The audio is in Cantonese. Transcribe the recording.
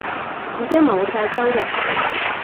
已經冇晒收入